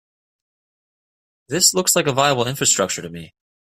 This looks like a viable infrastructure to me.